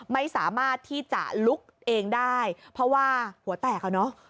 ไม่สามารถที่จะลุกเองได้เพราะว่าหัวแตกอ่ะเนอะ